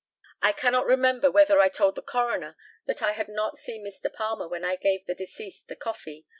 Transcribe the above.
I cannot remember whether I told the coroner that I had not seen Mr. Palmer when I gave the deceased the coffee.